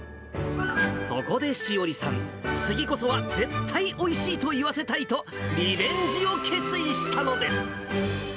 そこで詩織さん、次こそは絶対おいしいと言わせたいと、リベンジを決意したのです。